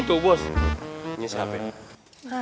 itu bos ini siapa ya